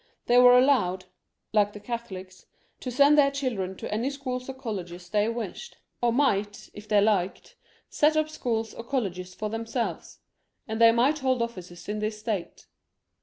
They were allowed — ^like the Catholics — ^to send their children to any schools or colleges XLi.] HENRY IV. 311 they wished, or might, if they liked, set up schools and colleges for themselves, and they might hold offices in the State.